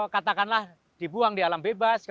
katakanlah dibuang di alam bebas